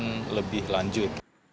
proses pemeriksaan lebih lanjut